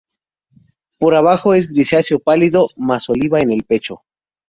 Por abajo es grisáceo pálido, más oliva en el pecho.